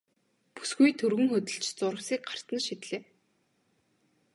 Бүсгүй түргэн хөдөлж зурвасыг гарт нь шидлээ.